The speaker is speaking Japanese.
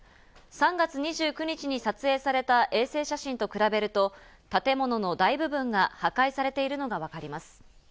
３月２９日に撮影された衛星写真と比べると、建物の大部分が破壊されているのがわかります。